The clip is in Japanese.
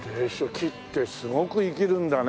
木ってすごく生きるんだね。